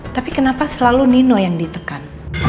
tapi kenapa selalu nino yang ditekan